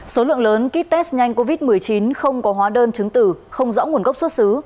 số lượng lớn ký test nhanh covid một mươi chín không có hóa đơn chứng tử không rõ nguồn gốc xuất xứ